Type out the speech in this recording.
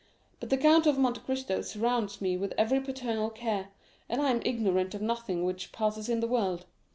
But the Count of Monte Cristo surrounds me with every paternal care, and I am ignorant of nothing which passes in the world.